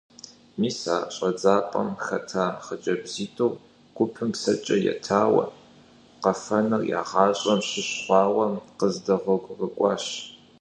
Мис а щӀэдзапӀэм хэта хъыджэбзитхур гупым псэкӀэ етауэ, къэфэныр я гъащӀэм щыщ хъуауэ къыздэгъуэгурыкӀуащ.